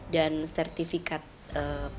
dan sertifikat pembuangan